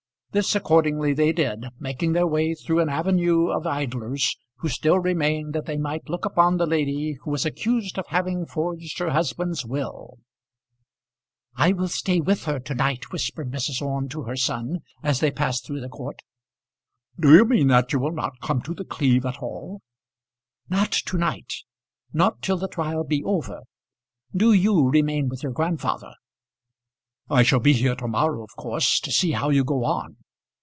This accordingly they did, making their way through an avenue of idlers who still remained that they might look upon the lady who was accused of having forged her husband's will. [Illustration: Lady Mason leaving the Court.] "I will stay with her to night," whispered Mrs. Orme to her son as they passed through the court. "Do you mean that you will not come to The Cleeve at all?" "Not to night; not till the trial be over. Do you remain with your grandfather." "I shall be here to morrow of course to see how you go on."